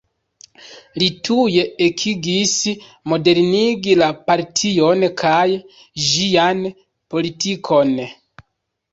Li tuj ekigis modernigi la partion kaj ĝian politikon.